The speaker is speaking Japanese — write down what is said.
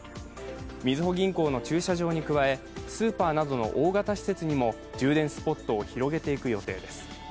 みずほ銀行の駐車場に加えスーパーなどの大型施設にも充電スポットを広げていく予定です。